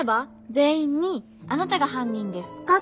全員に「あなたが犯人ですか？」って。